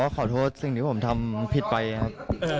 ขอโทษสิ่งที่ผมทำผิดไปครับ